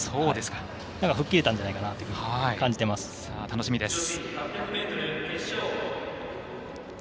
吹っ切れたんじゃないかと感じています。